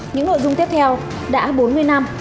những nội dung tiếp theo đã bốn mươi năm